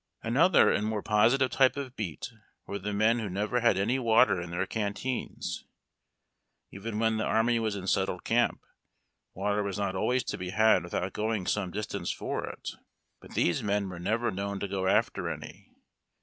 Another and more positive type of beat were the men who never had any water in their canteens. Even when the army was in settled camp, water was not always to be had without going some distance for it ; but these men were never known to go after any.